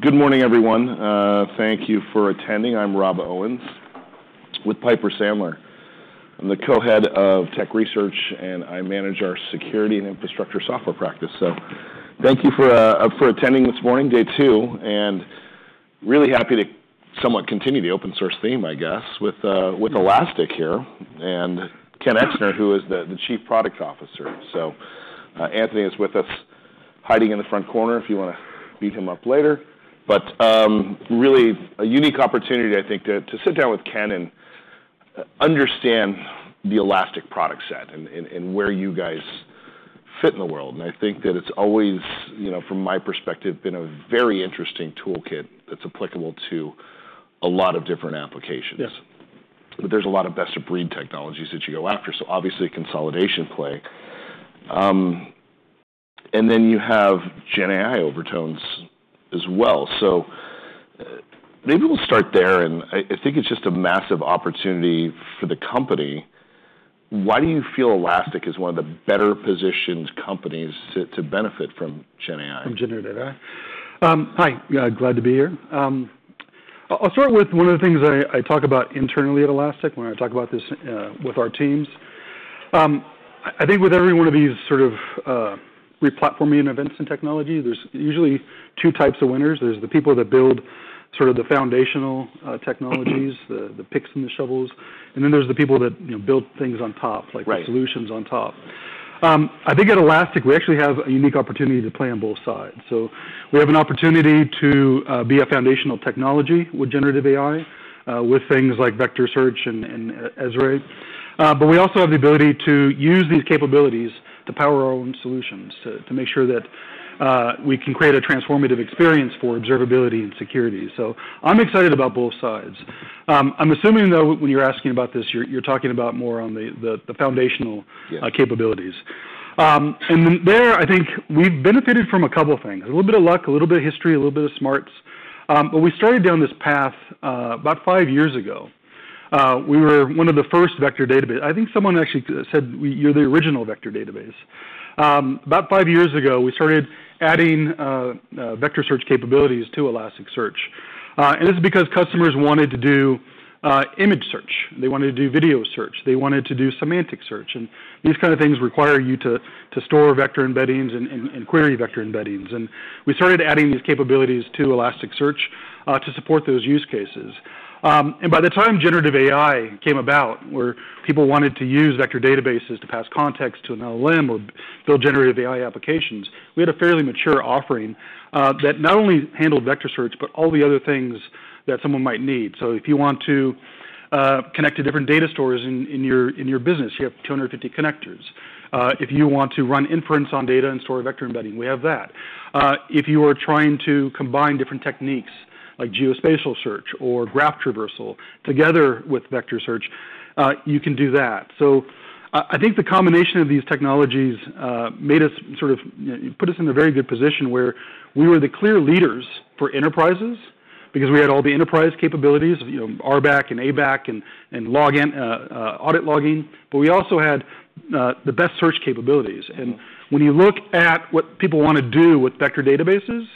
Good morning, everyone. Thank you for attending. I'm Rob Owens with Piper Sandler. I'm the Co-Head of Tech Research, and I manage our Security and Infrastructure Software Practice. So thank you for attending this morning, day two, and really happy to somewhat continue the open source theme, I guess, with Elastic here, and Ken Exner, who is the Chief Product Officer. So, Anthony is with us, hiding in the front corner if you wanna beat him up later. But, really a unique opportunity, I think, to sit down with Ken and understand the Elastic product set and where you guys fit in the world, and I think that it's always, you know, from my perspective, been a very interesting toolkit that's applicable to a lot of different applications. Yeah. But there's a lot of best-of-breed technologies that you go after, so obviously, a consolidation play. And then you have GenAI overtones as well. So, maybe we'll start there, and I think it's just a massive opportunity for the company. Why do you feel Elastic is one of the better-positioned companies to benefit from GenAI? From Generative AI. Hi, yeah, glad to be here. I'll start with one of the things I talk about internally at Elastic when I talk about this with our teams. I think with every one of these sort of replatforming events in technology, there's usually two types of winners. There's the people that build sort of the foundational technologies, the picks and the shovels, and then there's the people that, you know, build things on top. Right Like, the solutions on top. I think at Elastic, we actually have a unique opportunity to play on both sides. So we have an opportunity to be a foundational technology with Generative AI with things like Vector Search and ESRE. But we also have the ability to use these capabilities to power our own solutions, to make sure that we can create a transformative experience for observability and security. So I'm excited about both sides. I'm assuming, though, when you're asking about this, you're talking about more on the foundational- Yeah Capabilities. And there, I think we've benefited from a couple of things. A little bit of luck, a little bit of history, a little bit of smarts. But we started down this path about five years ago. We were one of the first vector database. I think someone actually said, "You're the original vector database." About five years ago, we started adding Vector Search capabilities to Elasticsearch. And this is because customers wanted to do image search, they wanted to do video search, they wanted to do semantic search, and these kind of things require you to store vector embeddings and query vector embeddings. And we started adding these capabilities to Elasticsearch to support those use cases. And by the time Generative AI came about, where people wanted to use vector databases to pass context to an LLM or build Generative AI applications, we had a fairly mature offering that not only handled Vector Search, but all the other things that someone might need. So if you want to connect to different data stores in your business, you have 200 and 50 connectors. If you want to run inference on data and store a vector embedding, we have that. If you are trying to combine different techniques, like geospatial search or graph traversal, together with Vector Search, you can do that. So I think the combination of these technologies made us sort of, you know, put us in a very good position where we were the clear leaders for enterprises because we had all the enterprise capabilities, you know, RBAC and ABAC and login, audit login, but we also had the best search capabilities. Mm-hmm. When you look at what people wanna do with vector databases,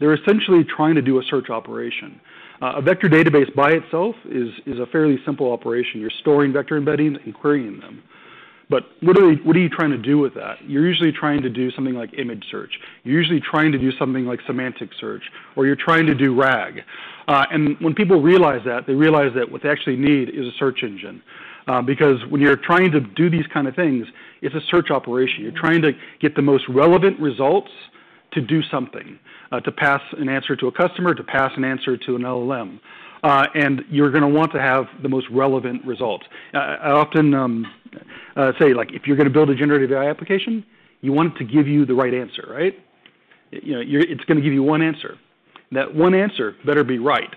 they're essentially trying to do a search operation. A vector database by itself is a fairly simple operation. You're storing vector embeddings and querying them. What are you trying to do with that? You're usually trying to do something like image search. You're usually trying to do something like semantic search, or you're trying to do RAG. When people realize that, they realize that what they actually need is a search engine. Because when you're trying to do these kind of things, it's a search operation. Mm-hmm. You're trying to get the most relevant results to do something, to pass an answer to a customer, to pass an answer to an LLM, and you're gonna want to have the most relevant results. I often say, like, if you're gonna build a Generative AI application, you want it to give you the right answer, right? You know, you're. It's gonna give you one answer. That one answer better be right.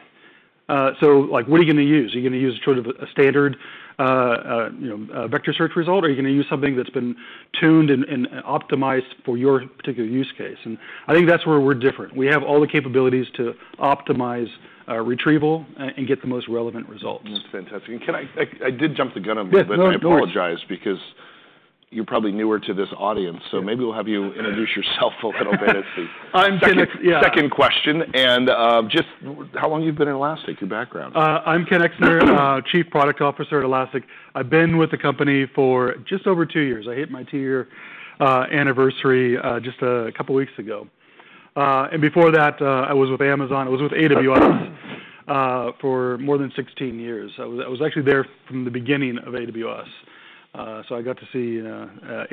So, like, what are you gonna use? Are you gonna use sort of a standard, you know, Vector Search result, or are you gonna use something that's been tuned and optimized for your particular use case? And I think that's where we're different. We have all the capabilities to optimize retrieval and get the most relevant results. That's fantastic. And can I, I did jump the gun a little bit. Yeah, no, of course. I apologize, because you're probably newer to this audience, so maybe we'll have you introduce yourself a little bit at the- I'm Ken, yeah. Second question, and, just how long you've been at Elastic, your background? I'm Ken Exner, Chief Product Officer at Elastic. I've been with the company for just over two years. I hit my two-year anniversary just a couple weeks ago. And before that, I was with Amazon. I was with AWS for more than sixteen years. I was actually there from the beginning of AWS. So I got to see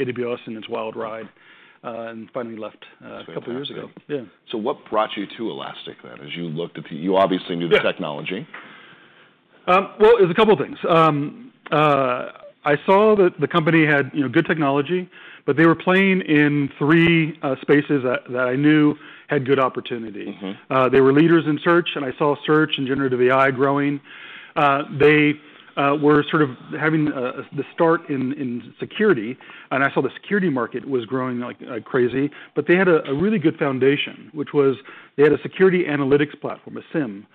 AWS in its wild ride, and finally left. That's fantastic A couple of years ago. Yeah. So what brought you to Elastic then? As you looked at the-- you obviously knew the technology. Yeah. Well, it's a couple of things. I saw that the company had, you know, good technology, but they were playing in three spaces that I knew had good opportunity. Mm-hmm. They were leaders in search, and I saw search and Generative AI growing. They were sort of having the start in security, and I saw the security market was growing, like crazy. But they had a really good foundation, which was they had a security analytics platform, a SIEM,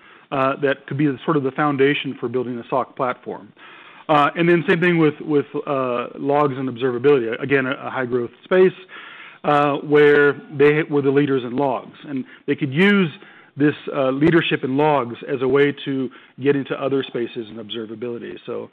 that could be the sort of the foundation for building a SOC platform. And then same thing with logs and observability. Again, a high-growth space, where they were the leaders in logs, and they could use this leadership in logs as a way to get into other spaces in observability. So,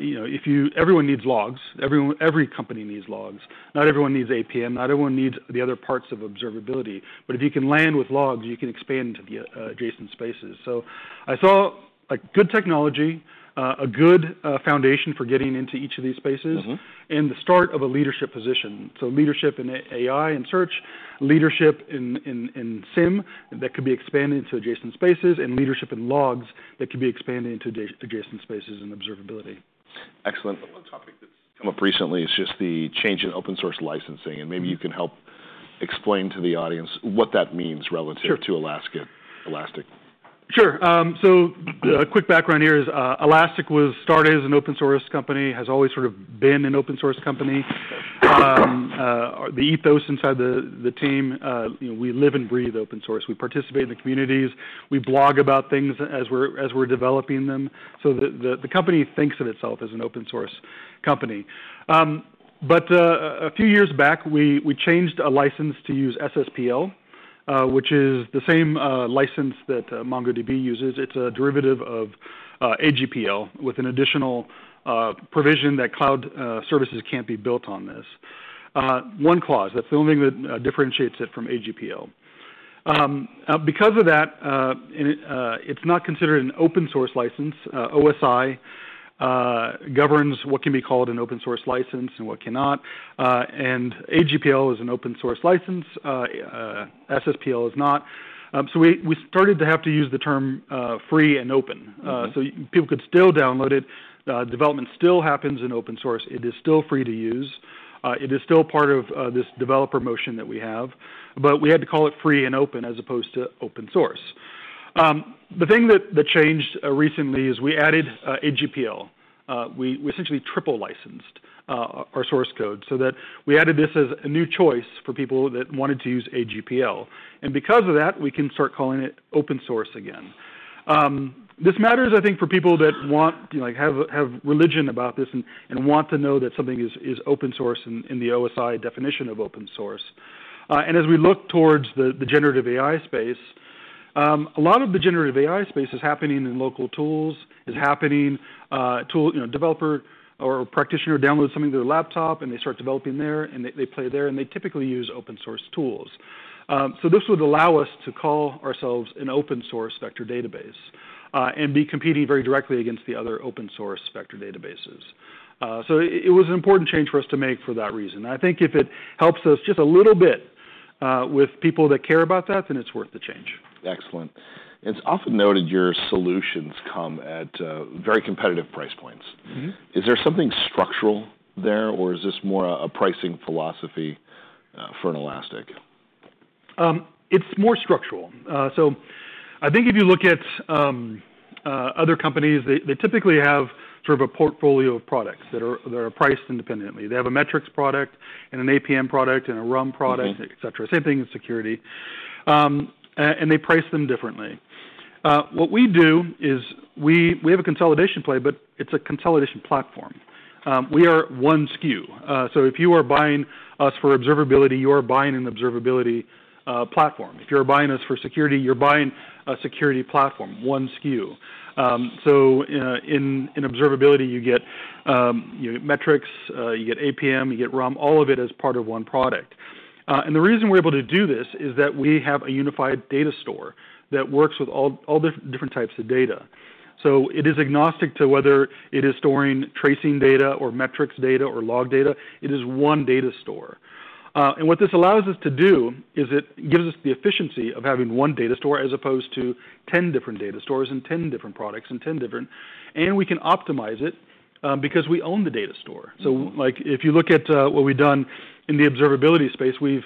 you know, everyone needs logs. Everyone every company needs logs. Not everyone needs APM, not everyone needs the other parts of observability, but if you can land with logs, you can expand to the adjacent spaces. So I saw a good technology, a good foundation for getting into each of these spaces. Mm-hmm. And the start of a leadership position. So leadership in AI and Search, leadership in SIEM that could be expanded into adjacent spaces, and leadership in Logs that could be expanded into adjacent spaces and observability. Excellent. One topic that's come up recently is just the change in open source licensing, and maybe you can help explain to the audience what that means relative- Sure To Elastic. Sure. So a quick background here is, Elastic was started as an open source company, has always sort of been an open source company. The ethos inside the team, you know, we live and breathe open source. We participate in the communities. We blog about things as we're developing them, so the company thinks of itself as an open source company. But a few years back, we changed a license to use SSPL, which is the same license that MongoDB uses. It's a derivative of AGPL, with an additional provision that cloud services can't be built on this. One clause, that's the only thing that differentiates it from AGPL. Because of that, and it's not considered an open source license. OSI governs what can be called an open source license and what cannot, and AGPL is an open source license, SSPL is not. So we started to have to use the term, free and open. Mm-hmm. So people could still download it, development still happens in open source. It is still free to use. It is still part of this developer motion that we have, but we had to call it free and open, as opposed to open source. The thing that changed recently is we added AGPL. We essentially triple licensed our source code, so that we added this as a new choice for people that wanted to use AGPL, and because of that, we can start calling it open source again. This matters, I think, for people that want. Like, have religion about this and want to know that something is open source in the OSI definition of open source. And as we look towards the Generative AI space, a lot of the Generative AI space is happening in local tools. You know, developer or practitioner downloads something to their laptop, and they start developing there, and they play there, and they typically use open source tools. So this would allow us to call ourselves an open source vector database, and be competing very directly against the other open source vector databases. So it was an important change for us to make for that reason. I think if it helps us just a little bit with people that care about that, then it's worth the change. Excellent. It's often noted your solutions come at very competitive price points. Mm-hmm. Is there something structural there, or is this more a pricing philosophy for Elastic? It's more structural, so I think if you look at other companies, they typically have sort of a portfolio of products that are priced independently. They have a metrics product and an APM product and a RUM product- Mm-hmm Et cetera. Same thing as security. And they price them differently. What we do is we have a consolidation play, but it's a consolidation platform. We are one SKU. So if you are buying us for observability, you are buying an observability platform. If you're buying us for security, you're buying a security platform, one SKU. So in observability, you get metrics, you get APM, you get RUM, all of it as part of one product. And the reason we're able to do this is that we have a unified data store that works with all the different types of data. So it is agnostic to whether it is storing tracing data or metrics data or log data. It is one data store. And what this allows us to do is it gives us the efficiency of having one data store, as opposed to 10 different data stores and 10 different products and 10 different. And we can optimize it, because we own the data store. Mm-hmm. So like, if you look at what we've done in the observability space, we've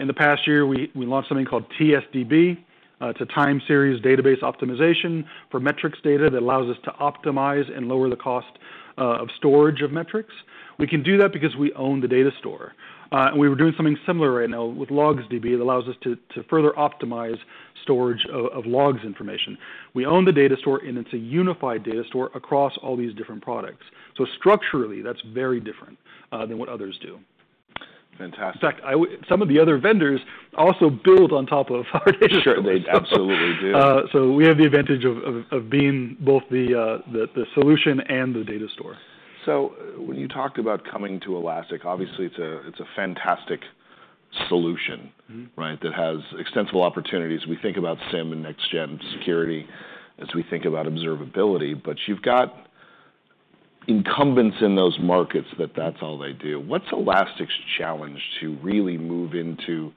in the past year, we launched something called TSDB. It's a time series database optimization for metrics data that allows us to optimize and lower the cost of storage of metrics. We can do that because we own the data store. And we were doing something similar right now with LogsDB. It allows us to further optimize storage of logs information. We own the data store, and it's a unified data store across all these different products. So structurally, that's very different than what others do. Fantastic. In fact, some of the other vendors also build on top of our data store. Sure, they absolutely do. We have the advantage of being both the solution and the data store. So when you talked about coming to Elastic, obviously it's a, it's a fantastic solution- Mm-hmm Right? That has extensive opportunities. We think about SIEM and next-gen security as we think about observability, but you've got incumbents in those markets, that's all they do. What's Elastic's challenge to really move into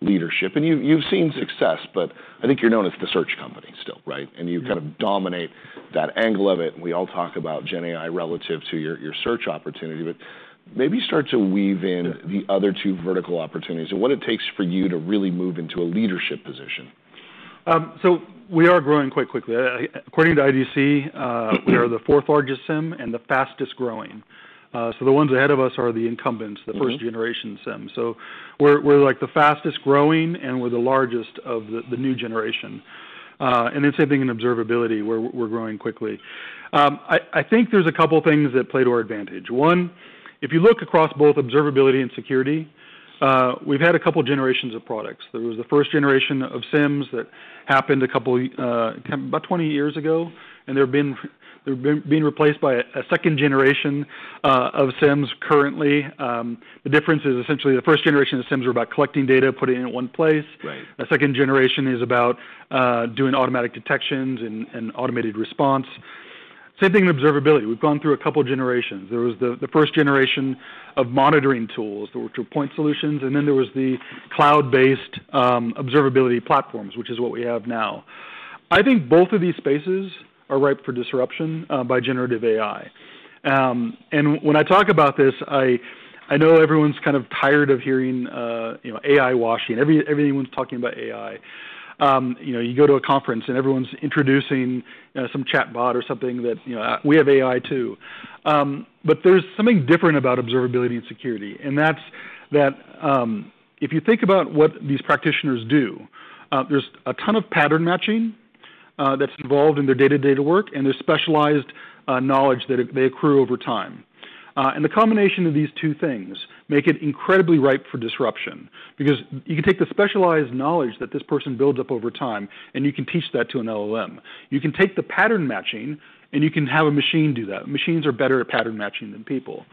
leadership, and you've seen success, but I think you're known as the search company still, right? Mm-hmm. You kind of dominate that angle of it, and we all talk about GenAI relative to your search opportunity, but maybe start to weave in- Sure The other two vertical opportunities and what it takes for you to really move into a leadership position. So we are growing quite quickly. According to IDC, we are the fourth largest SIEM, and the fastest growing. So the ones ahead of us are the incumbents. Mm-hmm The first generation SIEM. So we're like the fastest growing, and we're the largest of the new generation. And then same thing in observability, where we're growing quickly. I think there's a couple things that play to our advantage. One, if you look across both observability and security, we've had a couple generations of products. There was the first generation of SIEMs that happened about twenty years ago, and they're being replaced by a second generation of SIEMs currently. The difference is, essentially, the first generation of SIEMs were about collecting data, putting it in one place. Right. The second generation is about doing automatic detections and automated response. Same thing with observability. We've gone through a couple generations. There was the first generation of monitoring tools, which were point solutions, and then there was the cloud-based observability platforms, which is what we have now. I think both of these spaces are ripe for disruption by Generative AI. And when I talk about this, I know everyone's kind of tired of hearing, you know, AI washing. Everyone's talking about AI. You know, you go to a conference, and everyone's introducing some chatbot or something that, you know, "We have AI, too." But there's something different about observability and security, and that's that if you think about what these practitioners do, there's a ton of pattern matching that's involved in their day-to-day work, and there's specialized knowledge that they accrue over time. And the combination of these two things make it incredibly ripe for disruption because you can take the specialized knowledge that this person builds up over time, and you can teach that to an LLM. You can take the pattern matching, and you can have a machine do that. Machines are better at pattern matching than people.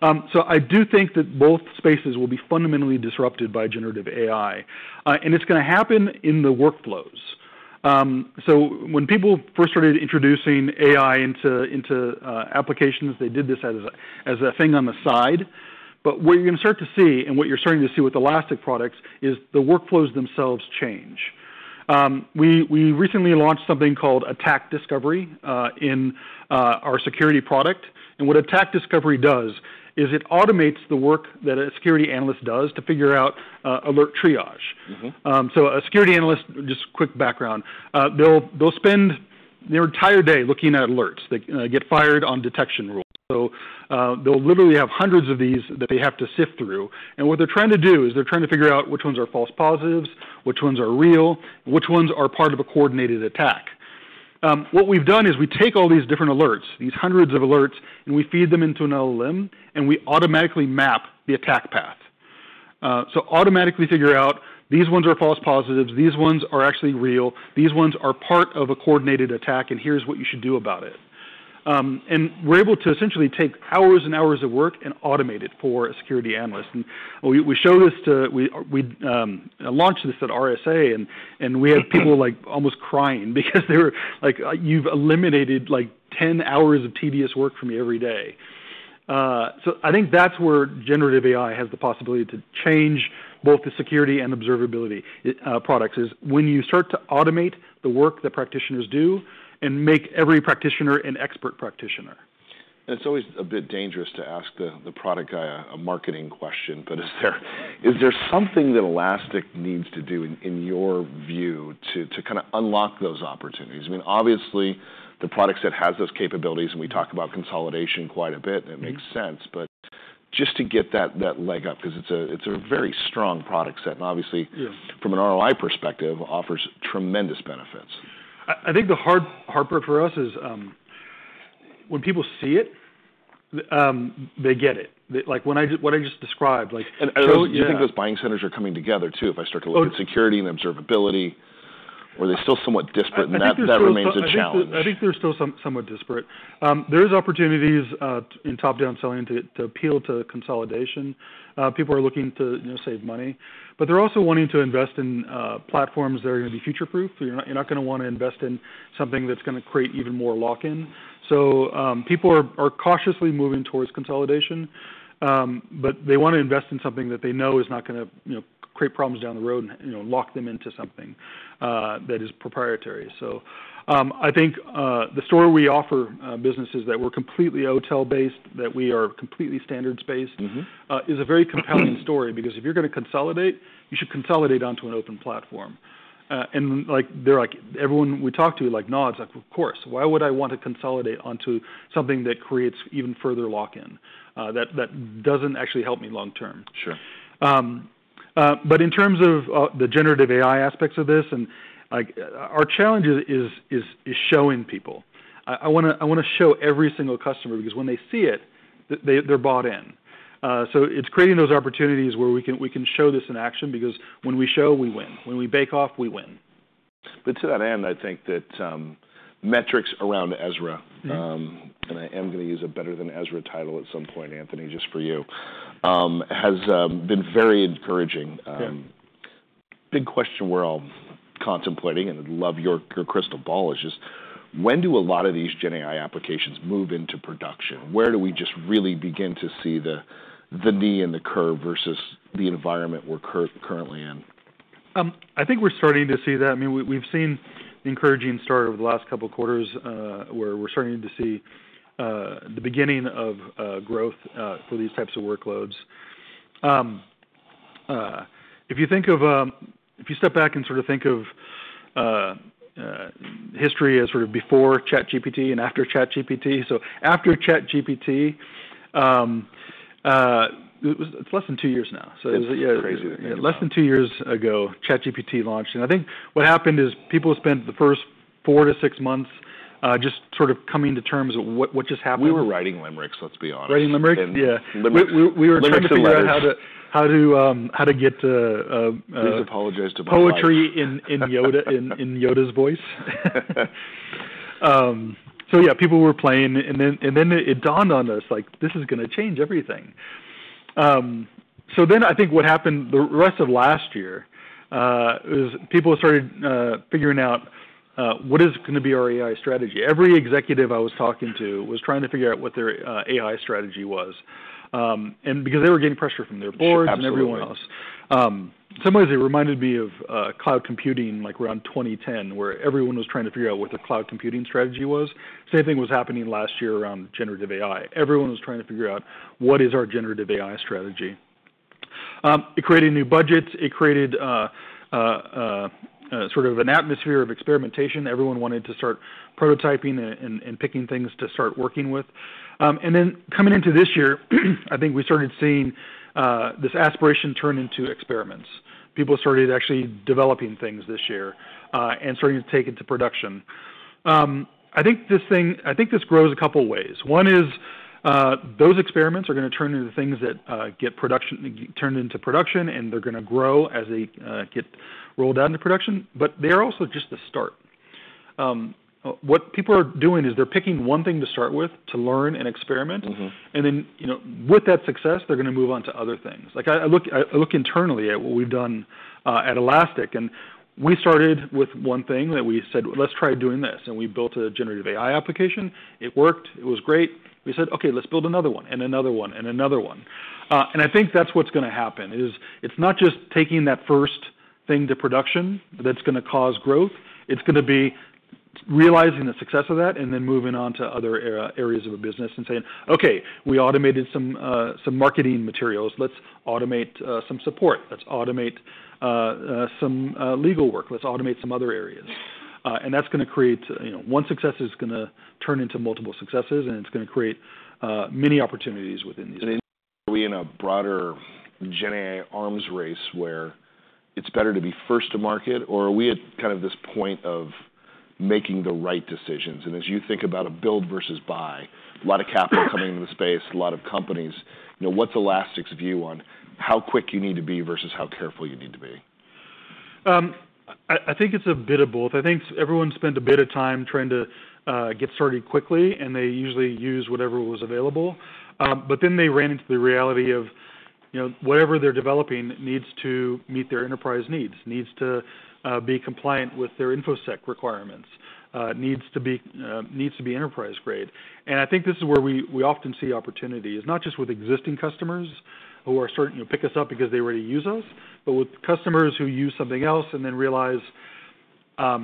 So I do think that both spaces will be fundamentally disrupted by Generative AI, and it's gonna happen in the workflows. So when people first started introducing AI into applications, they did this as a thing on the side. But what you're gonna start to see, and what you're starting to see with Elastic products, is the workflows themselves change. We recently launched something called Attack Discovery in our security product. And what Attack Discovery does is it automates the work that a security analyst does to figure out alert triage. Mm-hmm. So, a security analyst. Just quick background, they'll spend their entire day looking at alerts. They get fired on detection rules. So, they'll literally have hundreds of these that they have to sift through, and what they're trying to do is to figure out which ones are false positives, which ones are real, and which ones are part of a coordinated attack. What we've done is we take all these different alerts, these hundreds of alerts, and we feed them into an LLM, and we automatically map the attack path. So, automatically figure out these ones are false positives, these ones are actually real, these ones are part of a coordinated attack, and here's what you should do about it. And we're able to essentially take hours and hours of work and automate it for a security analyst. And we show this. We launched this at RSA, and we had people like almost crying because they were like, "You've eliminated like ten hours of tedious work for me every day." So I think that's where Generative AI has the possibility to change both the security and observability products is when you start to automate the work that practitioners do and make every practitioner an expert practitioner. And it's always a bit dangerous to ask the product guy a marketing question, but is there something that Elastic needs to do, in your view, to kinda unlock those opportunities? I mean, obviously, the product set has those capabilities, and we talk about consolidation quite a bit- Mm-hmm. And it makes sense. But just to get that leg up, 'cause it's a very strong product set, and obviously- Yes From an ROI perspective, offers tremendous benefits. I think the hard part for us is when people see it, they get it. They-- Like, when I just, what I just described, like, so- And so you think those buying centers are coming together, too, if I start to look- Oh- At security and observability, or are they still somewhat disparate? I think they're still- That remains a challenge. I think they're still somewhat disparate. There's opportunities in top-down selling to appeal to consolidation. People are looking to, you know, save money, but they're also wanting to invest in platforms that are gonna be future-proof. So you're not gonna wanna invest in something that's gonna create even more lock-in. So people are cautiously moving towards consolidation, but they wanna invest in something that they know is not gonna, you know, create problems down the road and, you know, lock them into something that is proprietary. So I think the story we offer businesses that we're completely OTel-based, that we are completely standards-based- Mm-hmm Is a very compelling story because if you're gonna consolidate, you should consolidate onto an open platform. And like, they're like, everyone we talk to, like, nods, like, "Of course, why would I want to consolidate onto something that creates even further lock-in, that doesn't actually help me long term?" Sure. But in terms of the Generative AI aspects of this, and like, our challenge is showing people. I wanna show every single customer, because when they see it, they’re bought in. So it’s creating those opportunities where we can show this in action, because when we show, we win. When we bake off, we win. But to that end, I think that, metrics around ESRE- Mm-hmm And I am gonna use a Better Than Ezra title at some point, Anthony, just for you, has been very encouraging. Yeah. Big question we're all contemplating, and I'd love your crystal ball, is just: When do a lot of these gen AI applications move into production? Where do we just really begin to see the knee and the curve versus the environment we're currently in? I think we're starting to see that. I mean, we've seen the encouraging start over the last couple quarters, where we're starting to see the beginning of growth for these types of workloads. If you think of... If you step back and sort of think of history as sort of before ChatGPT and after ChatGPT. So after ChatGPT, it was, it's less than two years now. So yeah- It's crazy. Less than two years ago, ChatGPT launched, and I think what happened is people spent the first four to six months, just sort of coming to terms with what just happened. We were writing limericks, let's be honest. Writing limericks? Yeah. Limicks. We were trying to figure out- Limerick to letters. How to get- Please apologize to my wife. Poetry in Yoda's voice. So yeah, people were playing, and then it dawned on us, like, this is gonna change everything. So then I think what happened the rest of last year is people started figuring out what is gonna be our AI strategy. Every executive I was talking to was trying to figure out what their AI strategy was. And because they were getting pressure from their boards- Sure, absolutely. And everyone else. In some ways, it reminded me of cloud computing, like, around 2010, where everyone was trying to figure out what their cloud computing strategy was. Same thing was happening last year around Generative AI. Everyone was trying to figure out: what is our Generative AI strategy? It created new budgets. It created sort of an atmosphere of experimentation. Everyone wanted to start prototyping and picking things to start working with. And then coming into this year, I think we started seeing this aspiration turn into experiments. People started actually developing things this year and starting to take it to production. I think this grows a couple ways. One is, those experiments are gonna turn into things that turned into production, and they're gonna grow as they get rolled out into production, but they're also just the start. What people are doing is they're picking one thing to start with, to learn and experiment. Mm-hmm. And then, you know, with that success, they're gonna move on to other things. Like I look internally at what we've done at Elastic, and we started with one thing that we said, "Let's try doing this," and we built a Generative AI application. It worked. It was great. We said, "Okay, let's build another one, and another one, and another one." And I think that's what's gonna happen, is it's not just taking that first thing to production that's gonna cause growth. It's gonna be realizing the success of that, and then moving on to other areas of a business and saying, "Okay, we automated some marketing materials. Let's automate some support. Let's automate some legal work. Let's automate some other areas." And that's gonna create, you know, one success is gonna turn into multiple successes, and it's gonna create many opportunities within these. And are we in a broader GenAI arms race, where it's better to be first to market, or are we at kind of this point of making the right decisions? And as you think about a build versus buy, a lot of capital coming into the space, a lot of companies, you know, what's Elastic's view on how quick you need to be versus how careful you need to be? I think it's a bit of both. I think everyone spent a bit of time trying to get started quickly, but then they ran into the reality of, you know, whatever they're developing needs to meet their enterprise needs, needs to be compliant with their InfoSec requirements, needs to be enterprise-grade, and I think this is where we often see opportunity, is not just with existing customers who are starting to pick us up because they already use us, but with customers who use something else and then realize: I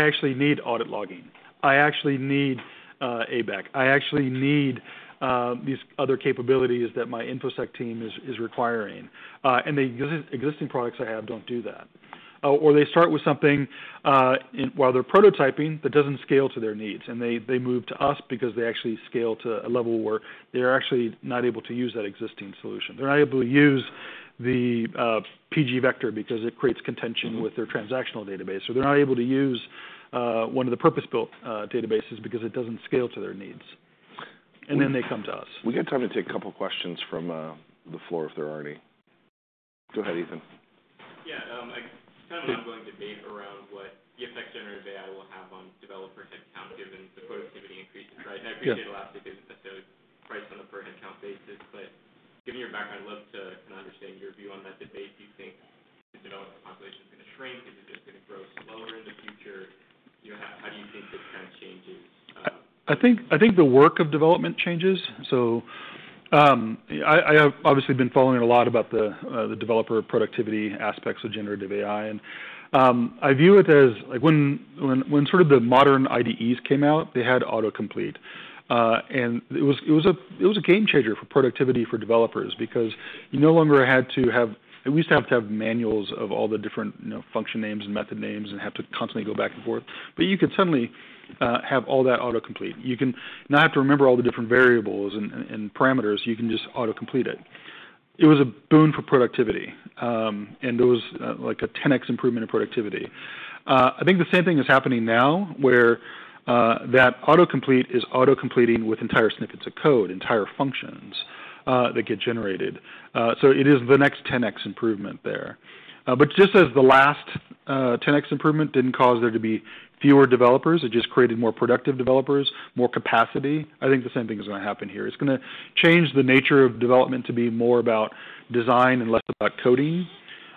actually need audit logging. I actually need ABAC. I actually need these other capabilities that my InfoSec team is requiring, and the existing products I have don't do that. Or they start with something, and while they're prototyping, that doesn't scale to their needs, and they move to us because they actually scale to a level where they're actually not able to use that existing solution. They're not able to use the pgvector because it creates contention with their transactional database, or they're not able to use one of the purpose-built databases because it doesn't scale to their needs. And then they come to us. We got time to take a couple questions from the floor if there are any. Go ahead, Ethan. Yeah, like, kind of an ongoing debate around what the effect Generative AI will have on developer headcount, given the productivity increases, right? Yeah. I appreciate Elastic isn't priced on a per-headcount basis, but given your background, I'd love to kind of understand your view on that debate. Do you think the developer population is gonna shrink? Is it just gonna grow slower in the future? You know, how do you think this kind of changes? I think the work of development changes. So, I have obviously been following a lot about the developer productivity aspects of Generative AI, and I view it as, like, when sort of the modern IDEs came out, they had autocomplete. And it was a game changer for productivity for developers because you no longer had to have... We used to have to have manuals of all the different, you know, function names and method names and have to constantly go back and forth, but you could suddenly have all that autocomplete. You can not have to remember all the different variables and parameters. You can just autocomplete it. It was a boon for productivity, and it was like a 10x improvement in productivity. I think the same thing is happening now, where that autocomplete is autocompleting with entire snippets of code, entire functions that get generated, so it is the next 10x improvement there, but just as the last 10x improvement didn't cause there to be fewer developers, it just created more productive developers, more capacity. I think the same thing is gonna happen here. It's gonna change the nature of development to be more about design and less about coding.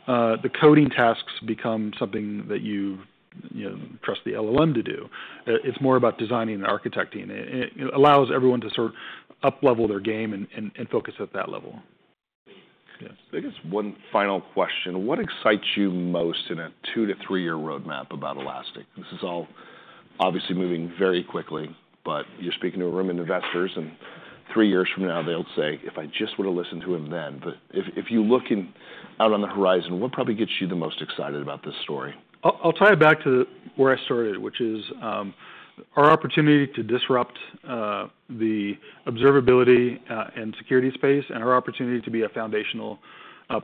The coding tasks become something that you know trust the LLM to do. It's more about designing and architecting. It allows everyone to sort of up-level their game and focus at that level. Yes. I guess one final question: What excites you most in a two-to-three-year roadmap about Elastic? This is all obviously moving very quickly, but you're speaking to a room of investors, and three years from now, they'll say, "If I just would've listened to him then..." But if you look out on the horizon, what probably gets you the most excited about this story? I'll tie it back to where I started, which is our opportunity to disrupt the observability and security space and our opportunity to be a foundational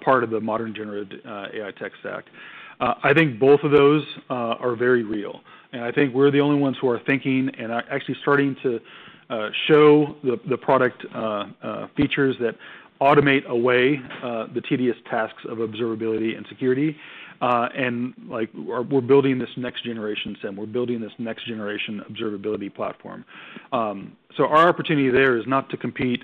part of the modern Generative AI tech stack. I think both of those are very real, and I think we're the only ones who are thinking and are actually starting to show the product features that automate away the tedious tasks of observability and security. And like we're building this next-generation SIEM, we're building this next-generation observability platform. So our opportunity there is not to compete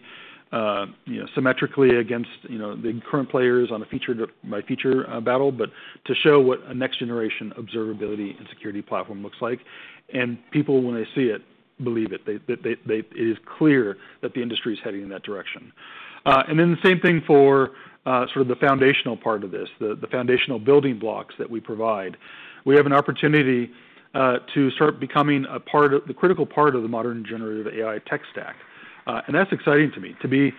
you know symmetrically against you know the current players on a feature by feature battle, but to show what a next-generation observability and security platform looks like. People when they see it believe it. It is clear that the industry is heading in that direction, and then the same thing for sort of the foundational part of this, the foundational building blocks that we provide. We have an opportunity to start becoming a part of the critical part of the modern Generative AI tech stack. And that's exciting to me to be.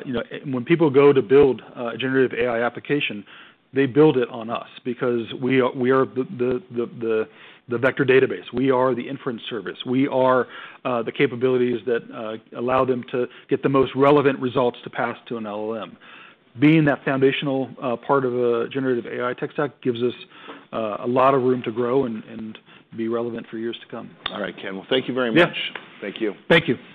You know, when people go to build a Generative AI application, they build it on us because we are the vector database, we are the inference service, we are the capabilities that allow them to get the most relevant results to pass to an LLM. Being that foundational part of a Generative AI tech stack gives us a lot of room to grow and be relevant for years to come. All right, Ken. Well, thank you very much. Yeah. Thank you. Thank you.